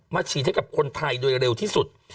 ฉีดให้กับคนไทยโดยเร็วที่สุด